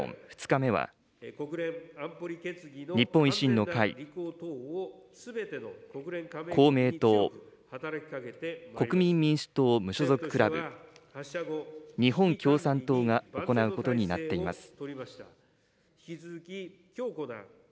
２日目は、日本維新の会、公明党、国民民主党・無所属クラブ、日本共産党が行うことになっています。